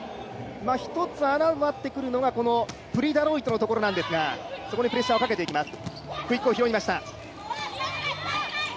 １つ穴を割ってくるのがプリ・ダロイトのところなんですがそこにプレッシャーをかけていきます。